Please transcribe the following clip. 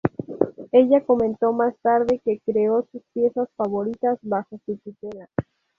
Ella comentó más tarde que creó sus piezas favoritas bajo su tutela.